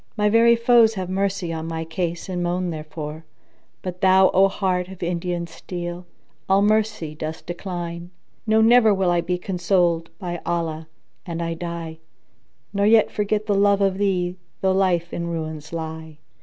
My very foes have mercy on my case and moan therefor; * But thou, O heart of Indian steel, all mercy dost decline. No, never will I be consoled, by Allah, an I die, * Nor yet forget the love of thee though life in ruins lie!"